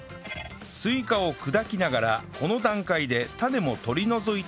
スイカを砕きながらこの段階で種も取り除いておきます